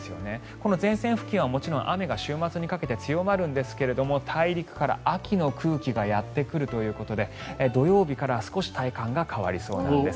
この前線付近はもちろん雨が週末にかけて強まるんですけれども大陸から秋の空気がやってくるということで土曜日から少し体感が変わりそうなんです。